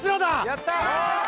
やった！